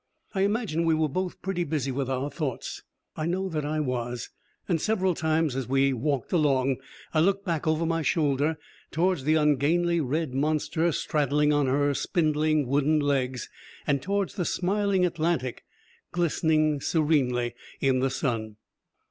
I imagine we were both pretty busy with our thoughts; I know that I was. And several times, as we walked along, I looked back over my shoulder towards the ungainly red monster straddling on her spindling wooden legs and towards the smiling Atlantic, glistening serenely in the sun.